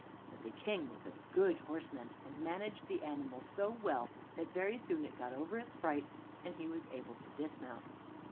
But the King was a good horseman, and managed the animal so well that very soon it got over its fright, and he was able to dismount.